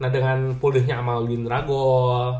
nah dengan pool dehnya amaluddin draghul